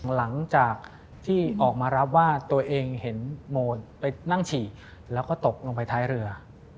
หลังจากที่ออกมารับว่าตัวเองเห็นโมนไปนั่งฉี่แล้วก็ตกลงไปท้ายเรือ